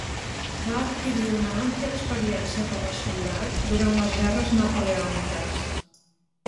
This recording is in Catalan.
Va adquirir una àmplia experiència com a soldat durant les guerres napoleòniques.